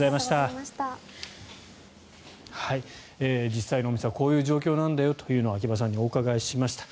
実際のお店はこういう状況なんだよというのを秋葉さんにお伺いしました。